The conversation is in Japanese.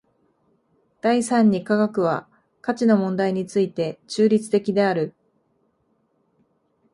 第三に科学は価値の問題について中立的である。